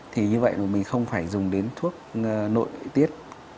thì như vậy mà mình không phải dùng đến thuốc nội tiết